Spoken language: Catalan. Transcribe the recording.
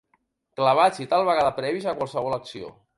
Clavats i tal vegada previs a qualsevol acció.